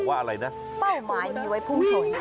เป้าหมายมีไว้พุ่งชน